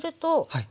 はい。